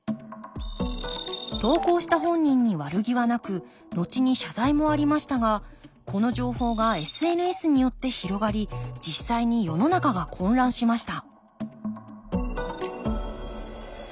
投稿した本人に悪気はなくのちに謝罪もありましたがこの情報がＳＮＳによって広がり実際に世の中が混乱しました